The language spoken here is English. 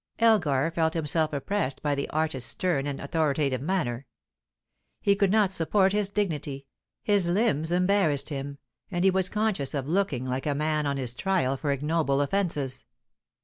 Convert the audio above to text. Elgar felt himself oppressed by the artist's stern and authoritative manner. He could not support his dignity; his limbs embarrassed him, and he was conscious of looking like a man on his trial for ignoble offences.